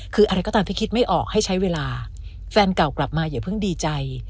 คืออะไรก็ตามที่คิดไม่ออกให้ใช้เวลาแฟนเก่ากลับมาอย่าเพิ่งดีใจ